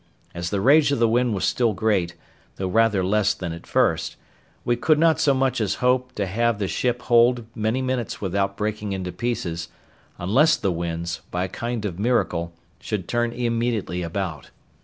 As the rage of the wind was still great, though rather less than at first, we could not so much as hope to have the ship hold many minutes without breaking into pieces, unless the winds, by a kind of miracle, should turn immediately about.